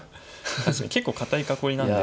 確かに結構堅い囲いなんで。